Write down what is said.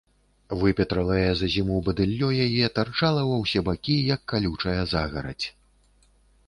Выпетралае за зіму бадыллё яе тырчала ва ўсе бакі, як калючая загарадзь.